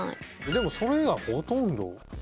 でもそれ以外ほとんど。